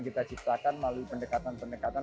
kita ciptakan melalui pendekatan pendekatan